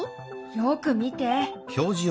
よく見て。